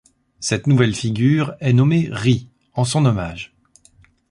Cette nouvelle figure est nommée Ri en son hommage.